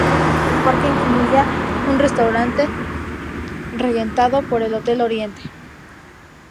El parque incluía un restaurante, regentado por el Hotel Oriente.